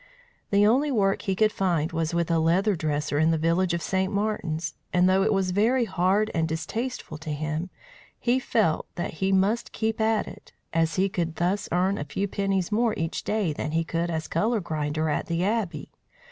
The only work he could find was with a leather dresser in the village of St. Martin's, and though it was very hard and distasteful to him, he felt that he must keep at it, as he could thus earn a few pennies more each day than he could as colour grinder at the Abbey.